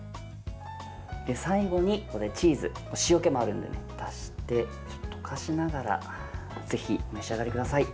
最後にチーズ塩気もあるので、足して溶かしながらぜひお召し上がりください。